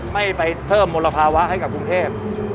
ไม่ไปเพิ่มมลภาวะให้กับกรุงเทพ